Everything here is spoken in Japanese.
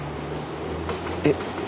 えっ？